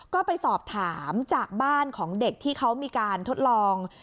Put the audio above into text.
ก็ไปสอบถามจากบ้านของเด็กที่เขามีการทดลอง